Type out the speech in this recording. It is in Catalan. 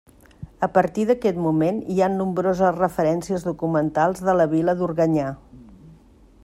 A partir d'aquest moment hi ha nombroses referències documentals de la vila d'Organyà.